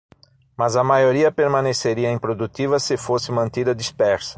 Mas a maioria permaneceria improdutiva se fosse mantida dispersa.